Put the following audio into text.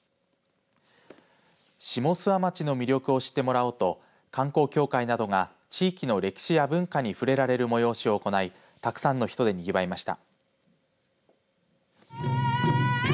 下諏訪町の魅力を知ってもらおうと観光協会などが地域の歴史や文化に触れられる催しを行い、たくさんの人でにぎわいました。